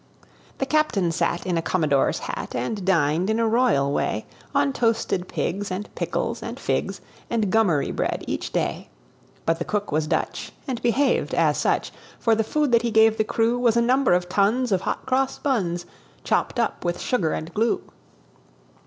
The captain sat in a commodore's hat And dined, in a royal way, On toasted pigs and pickles and figs And gummery bread, each day. But the cook was Dutch, and behaved as such; For the food that he gave the crew Was a number of tons of hot cross buns, Chopped up with sugar and glue.